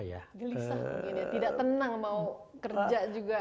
gelisah begini ya tidak tenang mau kerja juga